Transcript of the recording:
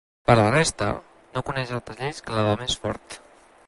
Per la resta, no coneix altres lleis que la del més fort.